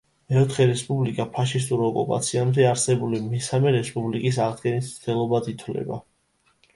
მეოთხე რესპუბლიკა ფაშისტურ ოკუპაციამდე არსებული მესამე რესპუბლიკის აღდგენის მცდელობად ითვლება.